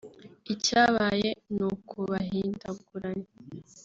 Icyabaye ni ukubahindaguranya